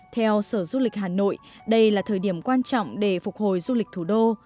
theo sở du lịch hà nội đây là thời điểm quan trọng để phục hồi du lịch thủ đô